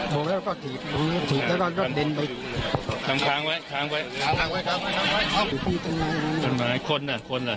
บอกแล้วก็ถีบถีบแล้วก็เด็นไปทำค้างไว้ทำค้างไว้ทำค้างไว้ทำค้างไว้